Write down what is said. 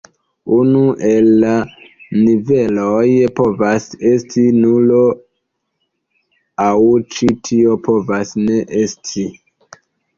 Unu el la niveloj povas esti nulo, aŭ ĉi tio povas ne esti.